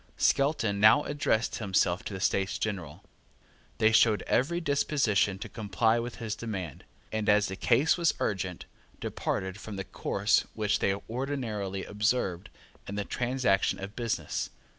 Skelton now addressed himself to the States General. They showed every disposition to comply with his demand, and, as the case was urgent, departed from the course which they ordinarily observed in the transaction of business.